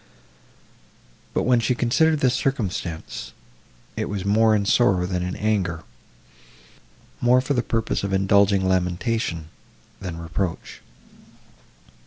But, when she considered this circumstance, it was "more in sorrow than in anger,"—more for the purpose of indulging lamentation, than reproach.